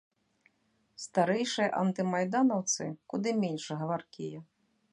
Старэйшыя антымайданаўцы куды менш гаваркія.